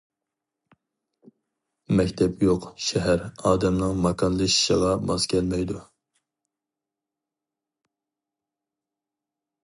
مەكتەپ يوق شەھەر ئادەمنىڭ ماكانلىشىشىغا ماس كەلمەيدۇ.